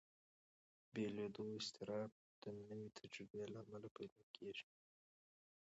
بېلېدو اضطراب د نوې تجربې له امله پیدا کېږي.